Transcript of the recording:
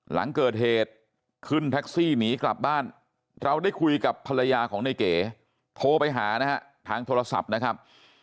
หลังเกิดเหตุขึ้นแท็กซี่หนีกลับบ้านเราได้คุยกับภรรยาของในเก๋โทรไปหานะฮะทางโทรศัพท์นะครับ